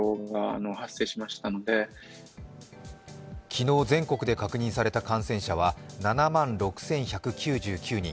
昨日、全国で確認された観戦者は７万６１９９人。